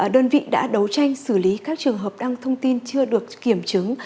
đơn vị đã đấu tranh xử lý các trường hợp đăng thông tin chưa được kiểm chứng